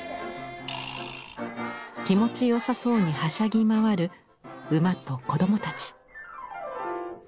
気持ちよさそうにはしゃぎ回る馬と子供たち。